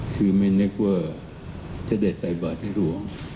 ซึ่งไม่นึกว่าจะได้ใส่บาทให้รวม